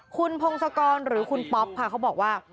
คุณพงศกรหรือคุณป๊อปค่ะเขาบอกว่า